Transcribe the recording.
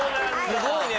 すごいね！